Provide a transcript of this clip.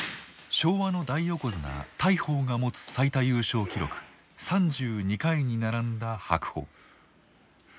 昭和の大横綱大鵬が持つ最多優勝記録３２回に並んだ白鵬。